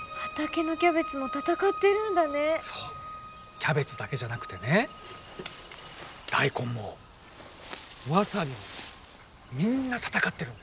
キャベツだけじゃなくてね大根もわさびもみんな戦ってるんだ。